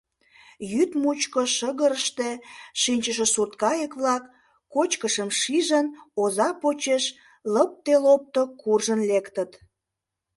Йӱд мучко шыгырыште шинчыше сурткайык-влак, кочкышым шижын, оза почеш лыпте-лопто куржын лектыт.